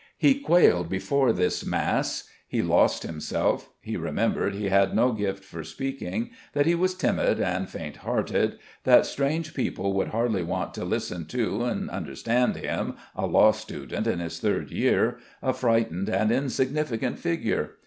He quailed before this mass; he lost himself; he remembered he had no gift for speaking, that he was timid and faint hearted, that strange people would hardly want to listen to and understand him, a law student in his third year, a frightened and insignificant figure.